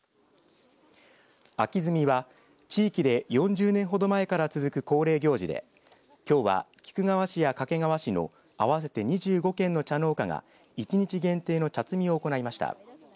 秋摘みは地域で４０年ほど前から続く恒例行事できょうは菊川市や掛川市の合わせて２５軒の茶農家が１日限定の茶摘みを行いました。